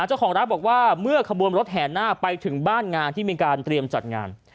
เจ้าของร้านบอกว่าเมื่อขบวนรถแห่หน้าไปถึงบ้านงานที่มีการเตรียมจัดงาน